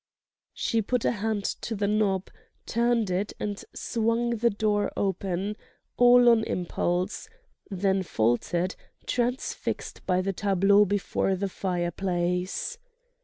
She put a hand to the knob, turned it, and swung the door open—all on impulse—then faltered, transfixed by the tableau before the fireplace.